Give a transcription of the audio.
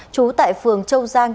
chú tại phường châu giang